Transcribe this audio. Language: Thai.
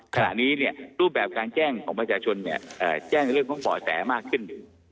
ขณะนี้รูปแบบการแจ้งของประชาชนแจ้งเรื่องของบ่อแสมากขึ้น